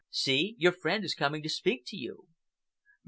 See, your friend is coming to speak to you."